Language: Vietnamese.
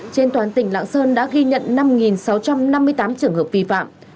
trên toàn tỉnh lạng sơn đã ghi nhận năm sáu trăm năm mươi tám trường hợp vi phạm